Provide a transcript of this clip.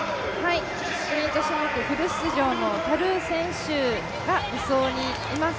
スプリント種目フル出場のタルー選手が２走にいます。